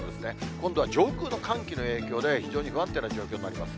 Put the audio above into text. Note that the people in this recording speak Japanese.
今度は上空の寒気の影響で、非常に不安定な状況になります。